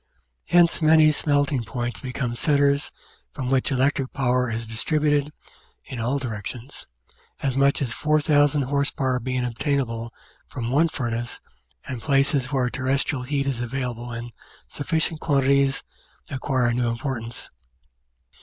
Hence many smelting plants become centres from which electric power is distributed in all directions as much as 4,000 h.p. being obtainable from one furnace and places where terrestrial heat is available in sufficient quantities acquire a new importance.